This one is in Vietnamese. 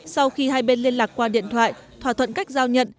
sau khi hai bên liên lạc qua điện thoại thỏa thuận cách giao nhận